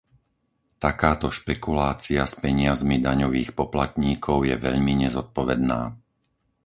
Takáto špekulácia s peniazmi daňových poplatníkov je veľmi nezodpovedná.